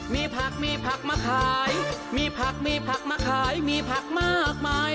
มีผักมีผักมาขายมีผักมีผักมาขายมีผักมากมาย